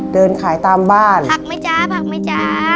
เดินขายตามบ้านผักไหมจ๊ะผักไหมจ๊ะ